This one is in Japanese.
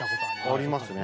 ありますね。